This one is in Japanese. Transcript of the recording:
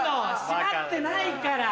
しまってないから。